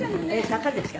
坂ですか？